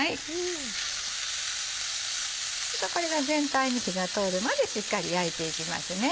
これが全体に火が通るまでしっかり焼いていきますね。